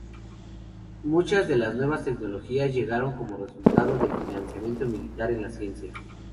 Muchas de las nuevas tecnologías llegaron como resultado del financiamiento militar en la ciencia.